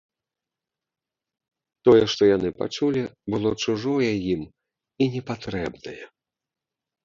Тое, што яны пачулі, было чужое ім і непатрэбнае.